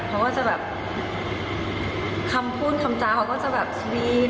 เขาก็จะแบบคำพูดคำจ้าเขาก็จะแบบสวีน